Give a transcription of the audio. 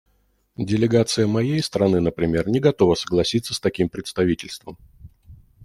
Делегация моей страны, например, не готова согласиться с таким представительством.